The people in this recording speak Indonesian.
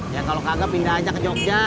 ya kalau kagak pindah aja ke jogja